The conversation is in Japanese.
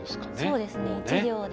そうですね１両で。